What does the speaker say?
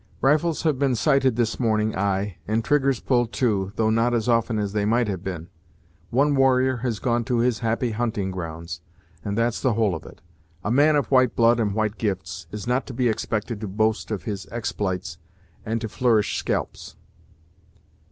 Rifles have been sighted this morning, ay, and triggers pulled, too, though not as often as they might have been. One warrior has gone to his happy hunting grounds, and that's the whole of it. A man of white blood and white gifts is not to be expected to boast of his expl'ites and to flourish scalps."